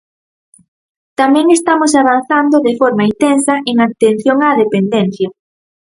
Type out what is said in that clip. Tamén estamos avanzando de forma intensa en atención á dependencia.